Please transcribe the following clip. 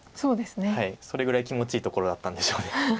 それぐらい気持ちいいところだったんでしょうね。